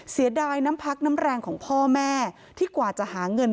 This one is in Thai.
เสียดายน้ำพักน้ำแรงของพ่อแม่ที่กว่าจะหาเงิน